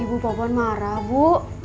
ibu popon marah bu